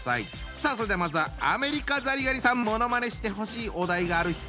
さあそれではまずはアメリカザリガニさんものまねしてほしいお題がある人。